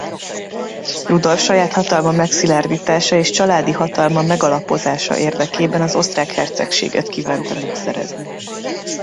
Rudolf saját hatalma megszilárdítása és családi hatalma megalapozása érdekében az osztrák hercegséget kívánta megszerezni.